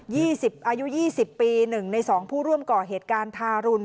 ยี่สิบอายุยี่สิบปีหนึ่งในสองผู้ร่วมก่อเหตุการณ์ทารุล